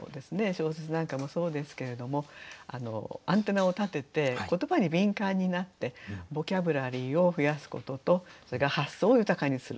小説なんかもそうですけれどもアンテナを立てて言葉に敏感になってボキャブラリーを増やすこととそれから発想を豊かにする。